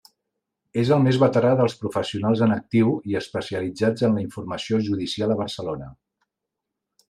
És el més veterà dels professionals en actiu i especialitzats en la informació judicial a Barcelona.